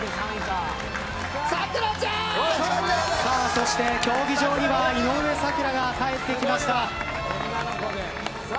そして競技場には井上咲楽が帰ってきました。